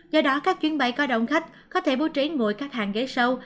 do đó các chuyến bay có đồng khách có thể bố trí ngồi các hàng ghế sau